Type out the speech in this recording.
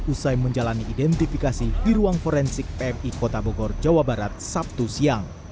usai menjalani identifikasi di ruang forensik pmi kota bogor jawa barat sabtu siang